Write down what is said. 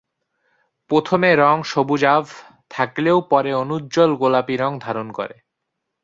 প্রথমে রঙ সবুজাভ থাকলেও পরে অনুজ্জ্বল গোলাপি রঙ ধারণ করে।